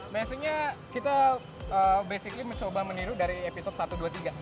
maksudnya kita basically mencoba meniru dari episode satu dua tiga